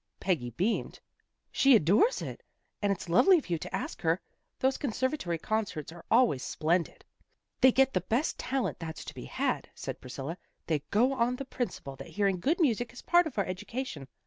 " Peggy beamed. " She adores it. And it's lovely of you to ask her. Those conservatory concerts are always splendid." " They get the best talent that's to be had," said Priscilla. " They go on the principle that hearing good music is part of our education."